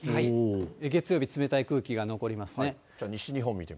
月曜日、冷たい空気が残りますね。